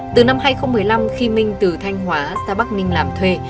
từ năm hai nghìn một mươi năm khi minh từ thanh hóa ra bắc ninh làm thuê